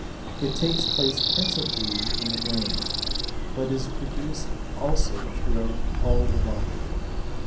It kes place principally in the brain, but is produced U> throughout all the body.